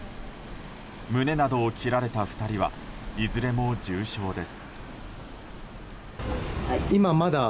胸などを切られた２人はいずれも重傷です。